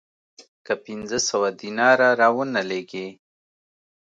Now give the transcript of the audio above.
که پنځه سوه دیناره را ونه لېږې